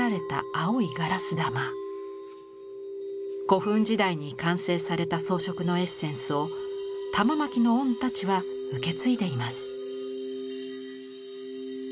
古墳時代に完成された装飾のエッセンスを玉纏御太刀は受け継いでいます。